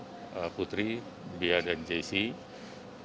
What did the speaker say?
kita akan memintanya hati hati kita lagi tedious mencoba produk dua duafer datarnya